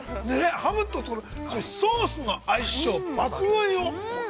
ハムとソースの相性、抜群よ。